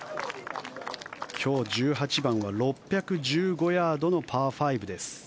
今日、１８番は６１５ヤードのパー５です。